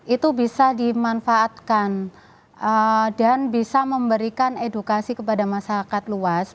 itu bisa dimanfaatkan dan bisa memberikan edukasi kepada masyarakat luas